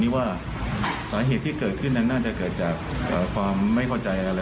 มีความลุงงานขึ้นมา